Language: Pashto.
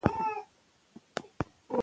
زده کړه د امنیت د ښه کولو لامل ګرځي.